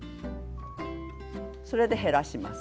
それで減らします。